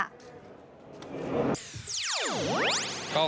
ก็คงเสียใจครับ